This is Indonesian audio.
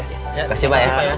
terima kasih pak